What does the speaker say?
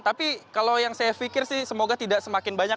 tapi kalau yang saya pikir sih semoga tidak semakin banyak